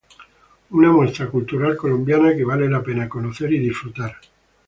Una muestra cultural colombiana que vale la pena conocer y disfrutar.